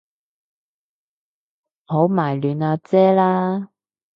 唔好迷戀阿姐啦